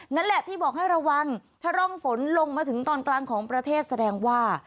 นั่นแหละที่บอกให้ระวังถ้าร่องฝนลงมาถึงตอนกลางของประเทศแสดงว่า